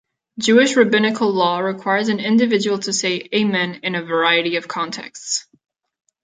Jewish rabbinical law requires an individual to say "amen" in a variety of contexts.